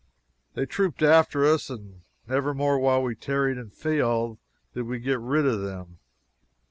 They trooped after us, and never more while we tarried in Fayal did we get rid of them.